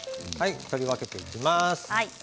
取り分けておきます。